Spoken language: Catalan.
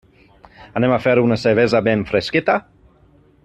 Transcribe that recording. Anem a fer una cervesa ben fresqueta?